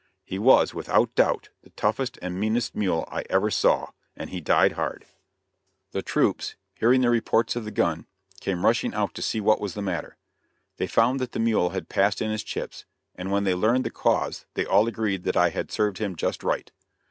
He was, without doubt, the toughest and meanest mule I ever saw, and he died hard. The troops, hearing the reports of the gun, came rushing out to see what was the matter. They found that the mule had passed in his chips, and when they learned the cause they all agreed that I had served him just right.